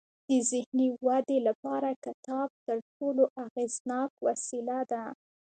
د ذهني ودې لپاره کتاب تر ټولو اغیزناک وسیله ده.